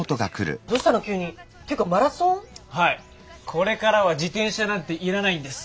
これからは自転車なんて要らないんです！